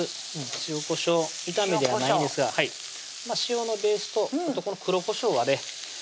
塩・こしょう炒めではないんですが塩のベースと黒こしょうはね